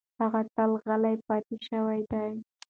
هغه تل غلې پاتې شوې ده.